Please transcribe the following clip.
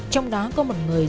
trong đó có một người